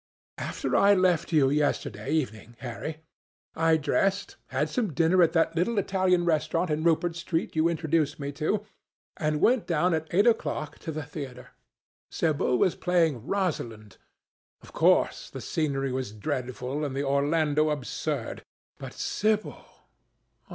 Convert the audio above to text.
After I left you yesterday evening, Harry, I dressed, had some dinner at that little Italian restaurant in Rupert Street you introduced me to, and went down at eight o'clock to the theatre. Sibyl was playing Rosalind. Of course, the scenery was dreadful and the Orlando absurd. But Sibyl!